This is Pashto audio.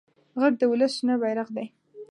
غږ د ولس شنه بېرغ دی